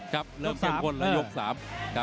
ครับเริ่มเข้มข้นแล้วยก๓ครับ